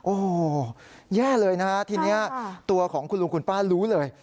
โอ้โหแย่เลยนะฮะทีนี้ตัวของคุณลุงคุณป้ารู้เลย